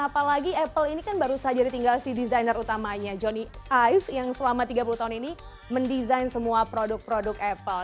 apalagi apple ini kan baru saja ditinggal si desainer utamanya johnny ive yang selama tiga puluh tahun ini mendesain semua produk produk apple